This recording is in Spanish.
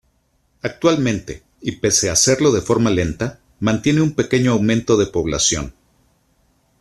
Actualmente, y pese a hacerlo de forma lenta, mantiene un pequeño aumento de población.